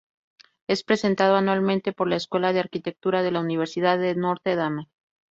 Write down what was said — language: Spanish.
Es presentado anualmente por la Escuela de Arquitectura de la Universidad de Notre Dame.